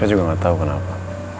saya juga nggak tahu kenapa